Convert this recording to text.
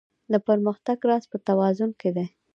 د پرمختګ راز په توازن کې دی.